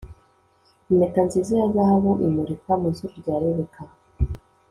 Impeta nziza ya zahabu imurika mu zuru rya Rebecca